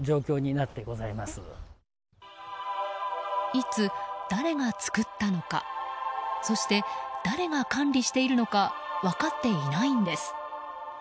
いつ誰が造ったのかそして誰が管理しているのか分かっていないんです。